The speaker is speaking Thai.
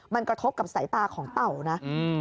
มันกระทบกับสายตาของเต่านะ